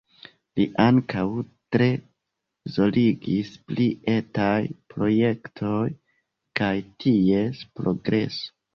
Li ankaŭ tre zorgis pri etaj projektoj kaj ties progreso.